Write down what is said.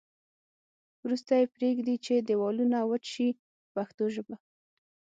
وروسته یې پرېږدي چې دېوالونه وچ شي په پښتو ژبه.